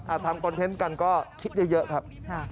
ทำคอนเทนต์กันก็คิดเยอะครับ